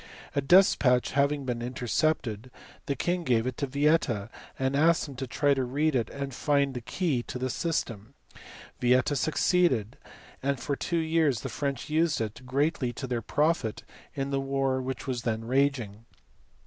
A despatch having been intercepted, the king gave it to Yieta, and asked him to try to read it and find the key to the system. Vieta succeeded, and for two years the French used it, greatly to their profit, in the war which was then raging.